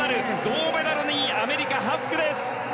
銅メダルにアメリカハスクです。